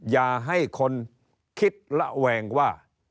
อย่าให้คนคิดระแวงว่า